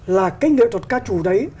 là cái nghệ thuật ca chủ đấy